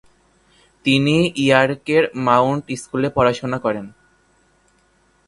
তিনি ইয়র্কের মাউন্ট স্কুলে পড়াশোনা করেন।